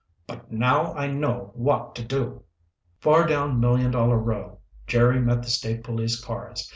"But now I know what to do." Far down Million Dollar Row, Jerry met the State Police cars.